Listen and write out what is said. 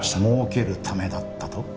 儲けるためだったと？